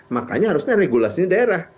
makanya harusnya regulasi daerah